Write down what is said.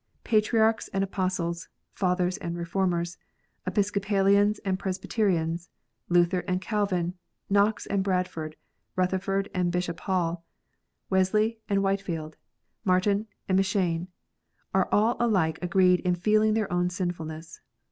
Patriarchs and Apostles, Fathers and Keformers, Episcopalians and Presbyterians, Luther and Calvin, Knox and Bradford, Rutherford and Bishop Hall, Wesley and Whitefield, Martyn and M Cheyne, all are alike agreed in feeling their own sinfulness.